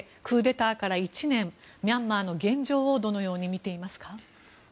クーデターから１年ミャンマーの現状をどのように見ていますか。